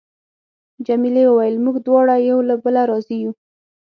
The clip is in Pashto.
جميلې وويل: موږ دواړه یو له بله راضي یو.